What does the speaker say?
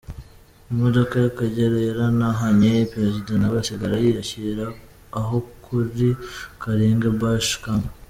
Imodoka y’Akagera yarantahanye Perezida nawe asigara yiyakira aho kuri Karenge Bush Camp.